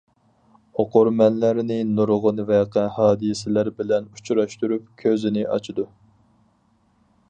ئوقۇرمەنلەرنى نۇرغۇن ۋەقە-ھادىسىلەر بىلەن ئۇچراشتۇرۇپ كۆزىنى ئاچىدۇ.